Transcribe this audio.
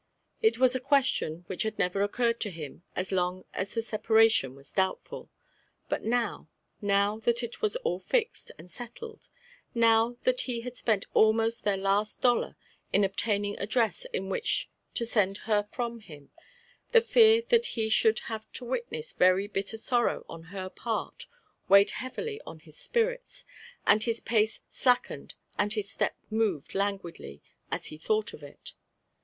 It was a question which had never occurred to him as long as the separation was doubtful ; but now, now that it was all fixed and set tled, — now that he had spent almost their last dollar in obtaining a dress in which to send her from him, the fear that he should have to witness very bitter sorrow on her part, weighed heavilv on his spirits, and his pace slackened and his step moved languidly as he thought of it.